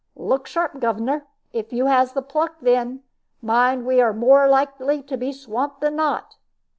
"Look sharp, governor, if you has the pluck, then. Mind, we are more like to be swamped than not."